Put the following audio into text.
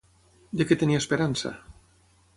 De què tenia esperança?